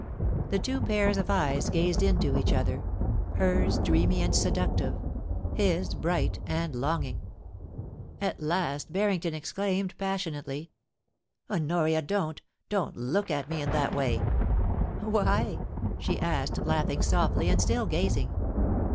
The two pairs of eyes gazed into each other — hers dreamy and seductive, his bright and longing. At last Barrington ex claimed passionately :* Honoria, don't — don't look at me in that way I' * Why ?' she asked, laughing softly, and still gazing.